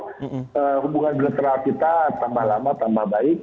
pertama kita berhubungan bilateral kita tambah lama tambah baik